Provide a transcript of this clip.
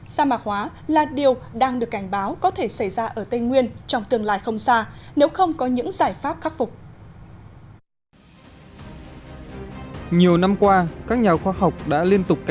sa mạc hóa là điều đang được cảnh báo có thể xảy ra ở tây nguyên trong tương lai không xa nếu không có những giải pháp khắc phục